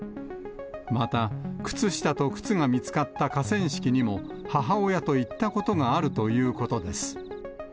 また、靴下と靴が見つかった河川敷にも、母親と行ったことがあるということです。